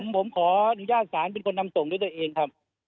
ผมขออนุญาตศาลเป็นคนนำส่งด้วยตัวเองครับ